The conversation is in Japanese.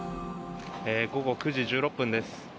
午後９時１６分です。